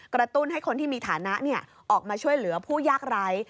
กระตุ้นให้คนที่มีฐานะออกมาช่วยเหลือผู้ยากไร้